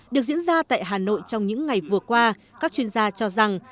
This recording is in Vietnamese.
được diễn ra tại hà nội trong những ngày vừa qua các chuyên gia cho rằng